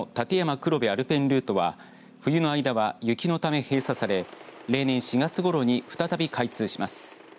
黒部アルペンルートは冬の間は雪のため閉鎖され例年４月ごろに再び開通します。